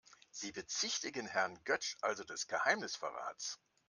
Sie bezichtigen Herrn Götsch also des Geheimnisverrats?